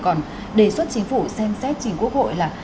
còn đề xuất chính phủ xem xét chính quốc hội là